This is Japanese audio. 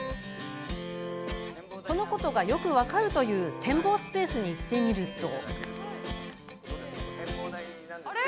そのことがよく分かるという展望スペースに行ってみると。